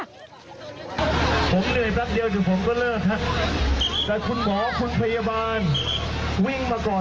ผมเหนื่อยแป๊บเดียวเดี๋ยวผมก็เลิกฮะแต่คุณหมอคุณพยาบาลวิ่งมาก่อน